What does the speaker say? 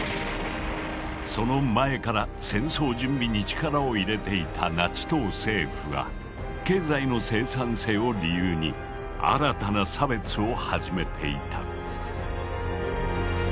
その前から戦争準備に力を入れていたナチ党政府は経済の生産性を理由に新たな差別を始めていた。